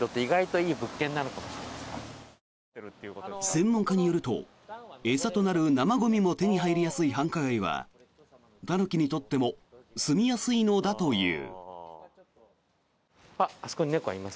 専門家によると、餌となる生ゴミも手に入りやすい繁華街はタヌキにとってもすみやすいのだという。